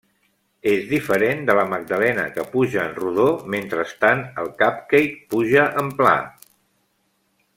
És diferent de la magdalena que puja en rodó mentrestant el cupcake puja en pla.